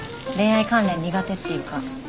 恋愛関連苦手っていうか。